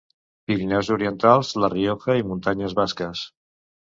Pirineus orientals, la Rioja i muntanyes basques.